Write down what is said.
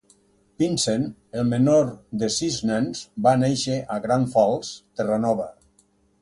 Pinsent, el menor de sis nens, va néixer a Grand Falls, Terranova.